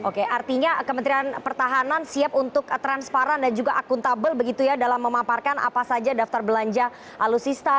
oke artinya kementerian pertahanan siap untuk transparan dan juga akuntabel begitu ya dalam memaparkan apa saja daftar belanja alutsista